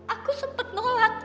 aku sempet nolak